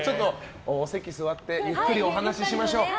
お席座ってゆっくりお話ししましょう。